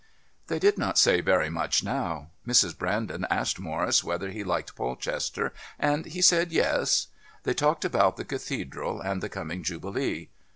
They did not say very much now. Mrs. Brandon asked Morris whether he liked Polchester and he said yes. They talked about the Cathedral and the coming Jubilee.